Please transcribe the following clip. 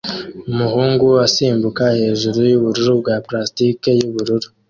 Umuhungu asimbuka hejuru yubururu bwa plastike yubururu